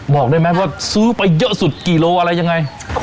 บอกได้ไหมว่าซื้อไปเยอะสุดกี่โลอะไรยังไง